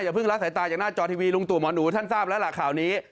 เพิ่งละสายตาจากหน้าจอทีวีลุงตู่หมอหนูท่านทราบแล้วล่ะข่าวนี้